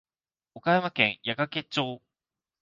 岡山県矢掛町